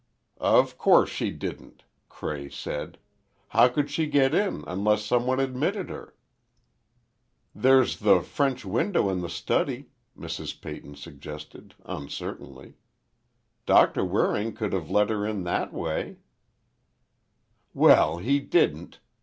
"Of course she didn't," Cray said. "How could she get in, unless someone admitted her." "There's the French window in the study," Mrs. Peyton suggested, uncertainly. "Doctor Waring could have let her in that way—" "Well, he didn't!"